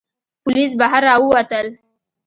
پوليس بهر را ووتل.